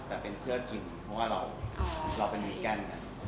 แต่เป็นเพื่อกินเพราะว่าเราเป็นมิแกน